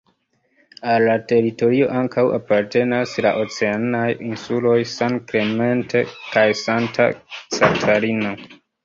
Al la teritorio ankaŭ apartenas la oceanaj insuloj "San Clemente" kaj "Santa Catalina".